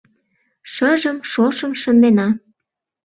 Шыжым, шошым шындена